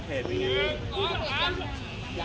สุดท้ายสุดท้าย